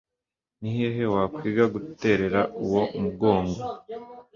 Ni hehe wakwiga guterera uwo mugongo